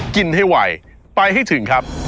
กินให้ไวไปให้ถึงครับ